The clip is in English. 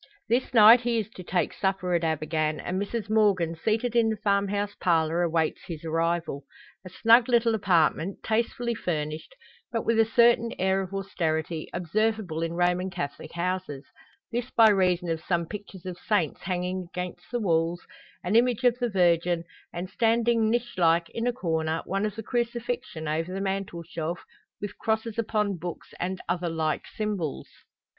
This night he is to take supper at Abergann, and Mrs Morgan, seated in the farm house parlour, awaits his arrival. A snug little apartment, tastefully furnished, but with a certain air of austerity, observable in Roman Catholic houses: this by reason of some pictures of saints hanging against the walls, an image of the Virgin and, standing niche like in a corner, one of the Crucifixion over the mantelshelf, with crosses upon books, and other like symbols.